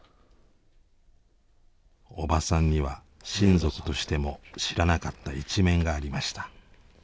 おばさんには親族としても知らなかった一面がありました。